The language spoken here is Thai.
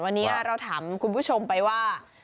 วันนี้เราถามคุณผู้ชมไปว่า